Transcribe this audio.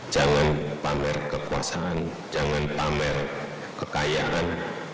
jangan pamer kekuasaan jangan pamer kekayaan